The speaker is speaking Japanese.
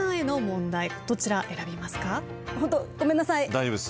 大丈夫です。